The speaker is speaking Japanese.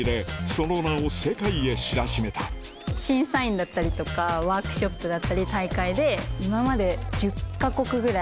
その名を世界へ知らしめた審査員だったりとかワークショップだったり大会で今まで１０か国ぐらい。